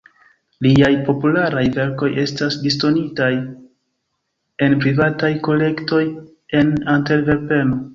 Liaj popularaj verkoj estas disdonitaj en privataj kolektoj en Antverpeno.